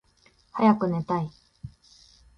はやくねたい。